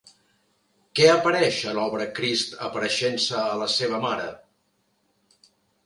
Què apareix a l'obra Crist apareixent-se a la seva Mare?